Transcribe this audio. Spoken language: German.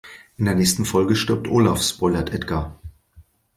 In der nächsten Folge stirbt Olaf, spoilert Edgar.